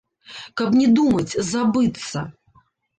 Каб не думаць, забыцца.